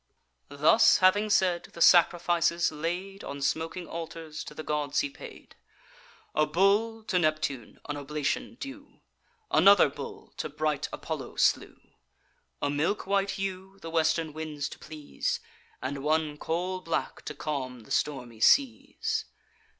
Thus having said, the sacrifices, laid On smoking altars, to the gods he paid: A bull, to Neptune an oblation due, Another bull to bright Apollo slew; A milk white ewe, the western winds to please, And one coal black, to calm the stormy seas.